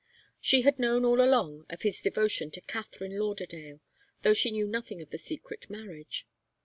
She had known all along of his devotion to Katharine Lauderdale, though she knew nothing of the secret marriage.